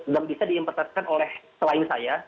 dan bisa diimpertekan oleh selain saya